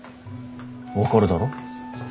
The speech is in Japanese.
分かるだろ？